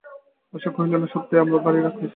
আশা কহিল, না সত্যই আমার ভারি রাগ হইয়াছে।